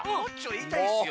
いいたいっすよ。